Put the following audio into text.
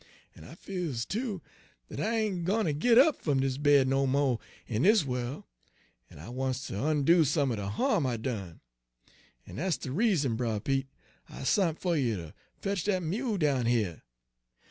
En I feels, too, dat I ain' gwine ter git up fum dis bed no mo' in dis worl', en I wants ter ondo some er de harm I done. En dat 's de reason, Brer Pete, I sont fer you ter fetch dat mule down here.